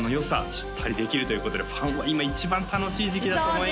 知ったりできるということでファンは今一番楽しい時期だと思いますよ